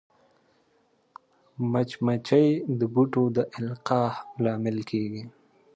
مچمچۍ د بوټو د القاح لامل کېږي